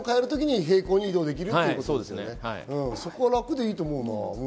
そこは楽でいいと思うな。